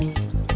gak usah bayar